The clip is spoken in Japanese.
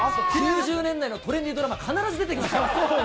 ９０年代のトレンディードラマ、必ず出てきましたから。